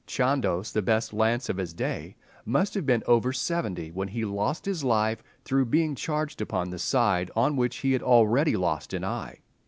Chandos, the best lance of his day, must have been over seventy when he lost his life through being charged upon the side on which he had already lost an eye.